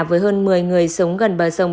với hơn một mươi người sống gần bờ sông